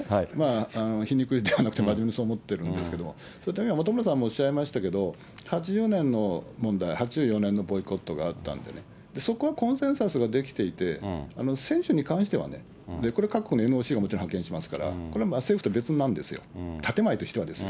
皮肉ではなくて、真面目にそう思ってるんですけども、先ほど本村さんもおっしゃいましたけど、８０年の問題、８４年のボイコットがあったので、そこはコンセンサスができていて、選手に関してはね、これはが派遣しますから、もちろん派遣しますから、これは政府と別になるんですよ、建前としてはですよ。